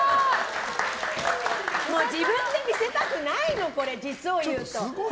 自分で見せたくないのこれ実を言うと。